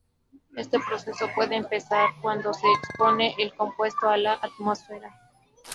Este proceso puede empezar cuando se expone el compuesto a la atmósfera.